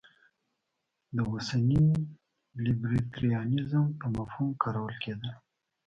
دا اوسني لیبرټریانیزم په مفهوم کارول کېده.